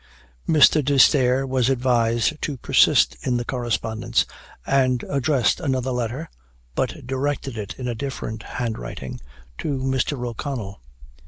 Mr. D'Esterre was advised to persist in the correspondence, and addressed another letter (but directed in a different hand writing), to Mr. O'Connell.